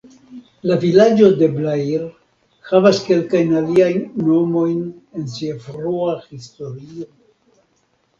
La vilaĝo de Blair havis kelkajn aliajn nomojn en sia frua historio.